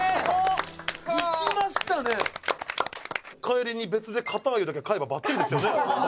「帰りに別でかたゆだけ買えばバッチリですよね」